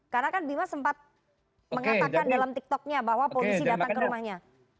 karena kan bima sempat mengatakan dalam tiktoknya bahwa polisi datang ke rumahnya